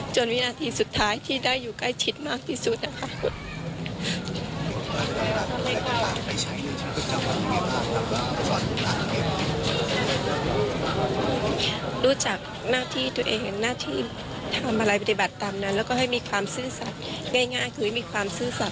วินาทีสุดท้ายที่ได้อยู่ใกล้ชิดมากที่สุดนะคะ